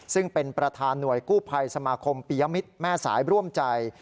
ซึ่งเป็นประธานหน่วยกู้ภัยสมาคมปียมิตรแม่สายร่วมใจ